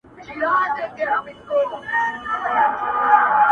ژوند د ازموينو لړۍ ده